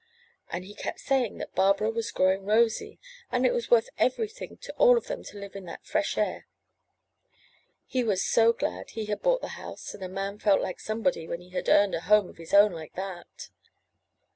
And he kept saying that Barbara was growing rosy, and it was worth everything to all of them to live in that fresh air. He was so glad he had bought the house, and a man felt like somebody when he had earned a home of his own like that.